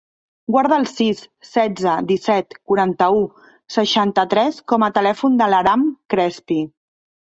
Guarda el sis, setze, disset, quaranta-u, seixanta-tres com a telèfon de l'Aram Crespi.